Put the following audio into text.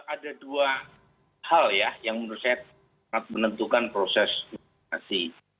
ada dua hal ya yang menurut saya sangat menentukan proses investasi